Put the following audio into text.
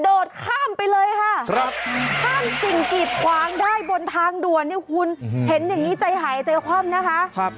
ข้ามไปเลยค่ะข้ามสิ่งกีดขวางได้บนทางด่วนเนี่ยคุณเห็นอย่างนี้ใจหายใจคว่ำนะคะ